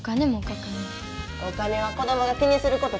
お金は子供が気にすることちゃう。